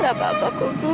gak apa apa ibu